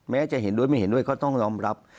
จะเห็นด้วยไม่เห็นด้วยก็ต้องยอมรับ